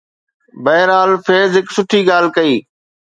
بهرحال، فيض هڪ سٺي ڳالهه ڪئي.